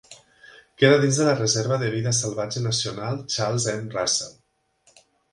Queda dins de la Reserva de vida salvatge nacional Charles M. Russell.